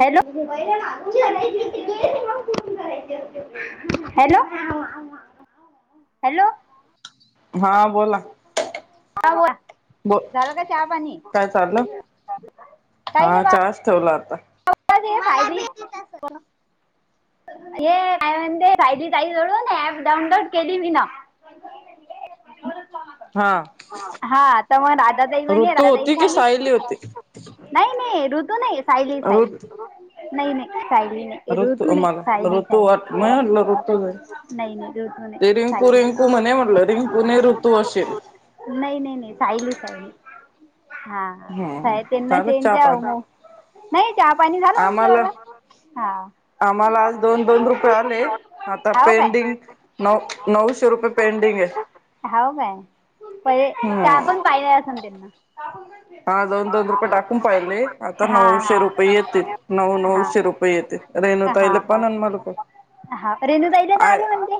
Hello hello hello हा बोला ब झालं का त्या पाणी काय चाललं काही नाही हा बा चहाच ठेवला आता [unintelligible] ये का म्हणते राहिली ताई जळून ऍप डाउनलोड केली मी ना हा हा तर मग राधा दाई म्हणे ऋतू राधादााई होती की सांगे सायली होती नाही नाही ऋतू नाही सायली ऋत सयली नाही नाही लीरूज तू ऋतू नाही मला सायली ऋतू वाट म सायली म्हटलं ऋतू जाई नाही नाही त तू ते नाही रिंकू साली रिंकू म्हणे म्हटलं रिंकूने ऋतू असेल नाही नाही नाही सायली साईली हा हम्म साहे तेना झालं तेन चहा जाव पाणी म नाही चहा पाणी झालं आम्हाला आमचला हा आम्हाला आज दोन दोन रुपये आले आता हाव काय पेंडिंग नऊ नऊशे रुपये पेंडिंग आहे हाव काय पे हम्म चकण पाहिले अस त्यांना हा दोन दोन रुपये टाकून पाहिले आता हा नऊशे रुपये येते नऊ नऊशे रुपये येते अरे ा रेनू दै ना आ आले म्हणजे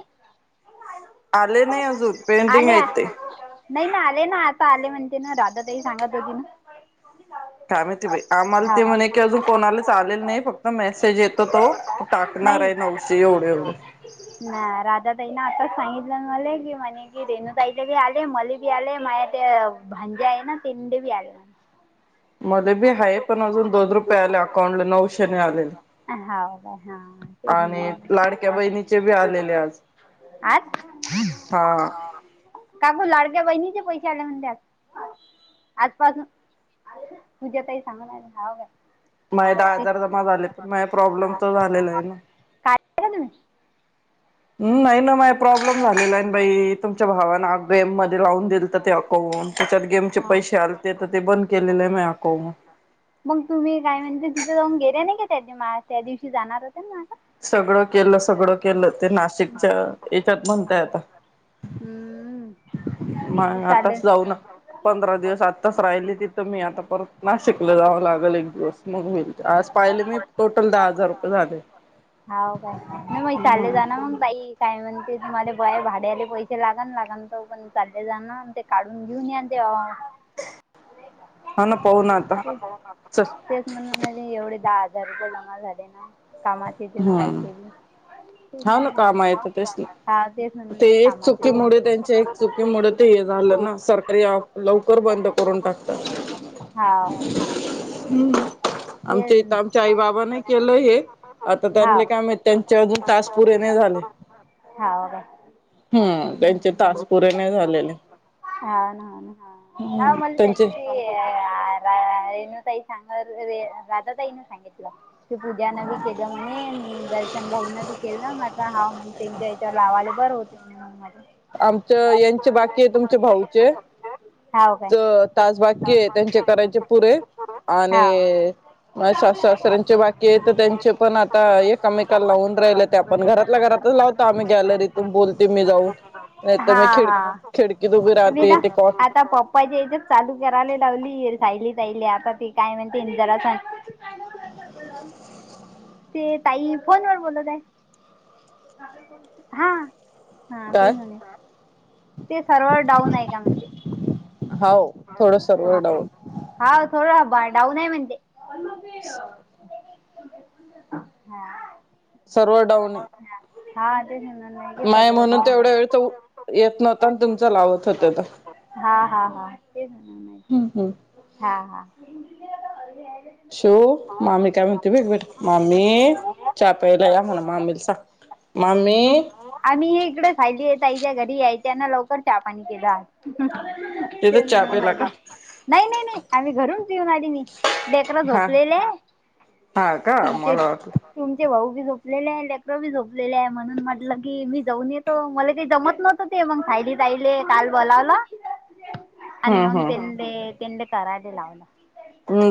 आले नाही अजून पेंटिंग आले आहेत ते नाही ना आले ना आता आले म्हणते ना राधा तही सांगत होती ना काय माहिती बा आम्हाला ते हा म्हणे की अजून कोणालाच आलेल नाही फक्त मेसेज येत तो की टाकणार नाही आहे नऊशे एवढे एवढे ना राधाताईनं आताच सांगितलं मला की म्हणे की रेणुताईला बी आले मले बी आले माझ्या ते भांजे आहे ना तंडे बी आले म्ह मध्ये बी आहे पण अजून दोन रुपये आले अकाउंट ला नऊशेने आलेले हा का आणि लाडक्या बहिणीचे बी आलेले आज आज हा काकू लाडक्या बहिणीचे पैसे आले म्हणते आ आजपासून तुझ्यातही सांगणार हव का मग दहा हजार जमा झाले पण म प्रॉब्लेम तर झालेला आहे ना काढले का तुम्ही हम् नाही ना प्रॉब्लेम झालेला आहे बाई तुमच्या भावाना गेम मध्ये लावून दिल तर ते अकवून त्याच्यात गेमचे हां पैसे आलते तर ते बंद केलेले आहे म अको मग मग तुम्ही काय म्हणजे तिथे जाऊन गेले नाही का त्या त्या दिवशी जाणारच सगळं केलं सगळं केलं ते नाशिकच्या याच्यात म्हणताय आता हं मग आताच चालेल जाऊन पंधरा दिवस आताच राहिली तिथं मी आता परत नाशिकला जावं लागल एक दिवस मग होईल आज पाहिले मी टोटल दहा हजार होे हा काय नाही मग चालले जा ना मग तई काय म्हणते मला बाय भाड्याले पैसे लागल लागन त पण चालले जा ना ते काढून घेऊन या ते हण तेच म्हण म्ह एवढे दाज घरबलामा झाडे ना कामात येते ना हम्म काहीचे बी हा ना, काम आहेेत तेसनी, हा तेच ना ते म्हणून एक कामात चुकीमुळे येते त्यांच्या एक चुकीमुळे ते हे झालं ना सरकारी लवकर बंद करून टाकतात. हाव हम्म. [unintelligible] हे आमच्या इथ आमच्या आई बाबा नाही केलं हे आता हाव त्यांले काय माहित त्यांच्या अजून आज पुरे नाय झाले. हव का [unintelligible] हम्, त्यांचे तास पुरे नाही झालेले. हनन ह हम्म म्हण [unintelligible] त्यांचे तई सांग राधा ताई न सांगितलं, की पूजा न बी केलं म्हणे दर्शन भाऊ न बी केलं म्हंटल, हाव मग त्यांच्या याच्यावर लावाले बर होते म्हणे म्हून माझ आमच यांचे बाकी आहे तुमचे भाऊ- चे- हाव काय तर तास बाकी आहेत. त्यांचे करायचे पुरे हाव आणि- सासू सासऱ्यांचे बाकी आहे, तर त्यांचे पण आता एककामेकाला लावून राहिल ते, आपण घरातल्या घरातच लावतो आम्ही गॅलरीतून बोलते मी जाऊन- नाही तर, मी खिड खिडकी ब आता पप्पा ज [unintelligible] चालू करायला लावली जायली तहिली आता तती काय म्हणते जरा ते ताई फोन वर बोलत आहे. हा. हा ते काय न [unintelligible] ते सर्वर डाऊन आहे क? म्हणते. हो. हा थोड बा- डाऊन आहे म्हणते. आणि म ते [unintelligible] हा. सर्व्हर डाऊन आहे. हा. [inaudible] नाही की माय सर्व म्हणून ते डाऊन एवढ्या वेळ तर येत नव्ह आहे पण तुम चलावत होते तर हा हा [unintelligible] हा ते हम्म हम्म हा, हा, कमन तु एक मा [unintelligible] म पयला या म्हण [unintelligible] मामीला सांग मामी... आम्ही हे इकडे खायली यतायच्या घरी याय त्यांना लवकर हा पाणी केलं तिथं ते चहा मा प्यायला का नाही नाही नाही आम्ही घरून ती होणारडी मी डेकरा हा झोपलेले हा का मला वाटलं तुमचे भाऊ बी झोपलेले आहे लेक्रो बी झोपलेले आहे म्हणून म्हटलं की मी जाऊन येतो मला ते जमत नव्हतं ते मग खयली तहिले काल बोलावलं हम्म अनंग हम्म दल्ंदे पिंड कराज लावला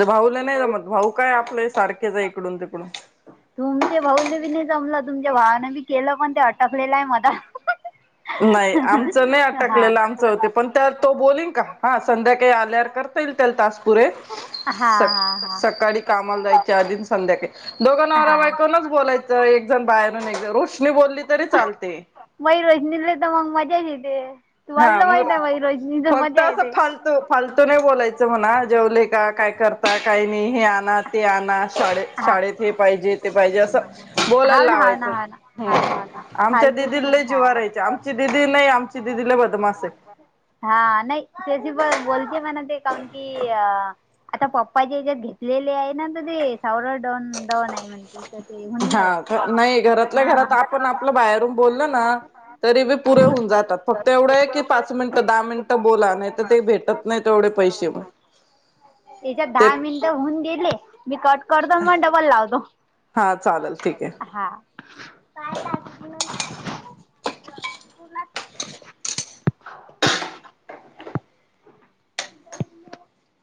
भाऊला नाही मग भाऊ काय आपल्या सारखेच आहे इकडून तिकडून तुमचे भाऊने बी नाही जमलं तुमच्या भावान बी केलं पण ते अटकलेलं आहे मझ नाही आमचं नाही अटकलेलं आमचं होते पण त्या तो बोलन का हा संध्याकाळी आल्यावर करता येईल त्याला तासपुरे हा हा स हा सकाळी कामाला जायच्या आधीन संध्याकाळी दोघं नवरा्या हा बायकूनच बोलायचं एक जण बाहेरून एकण रोष्नी बोलली तरी चालते एकद मग मजा येते तुम्हाला हा तर मग माहित आहे बाई रोशनीचं फक्त मजा असं येते फालतू फालतू नाही बोलायचं म्हणा जेवले का काय करता काही नाही हे आण ते आण शाळेत हा शाळेत हे पाहिजे ते पाहिजे असं हाव बोलायला ना हाव ना हाव ना लावायचं हाव ना हाव ना आमच्या फालतू दिदी नाही ल हा जिवारायचे आमची दिदी नाही आमची दिदी लय बदमास आहे. हा नाही तस प बोलते म ते कारण की अ आता पप्पा जे ह्याच्यात घेतलेले आहे ना ते सवर डोन नाही म्हणते तर ते होऊन नाही राहिल हा नाही घरातल्या घरात हा आपण आपलं बाहेरून बोलल ना तरी बी पुरे होऊन जातात फक्त एवढं आहे कि पाच मिनिटं दहा मिनिट बोला नाही तर ते भेटत नाही तेवढे पैसे म त्याच्यात ते दहा मिनिटं होऊन गेले मी कट करतो मग डबल लावज हा चालेल ठीक आहे. हा काय [unintelligible] [unintelligible]